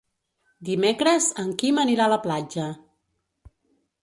Dimecres en Quim anirà a la platja.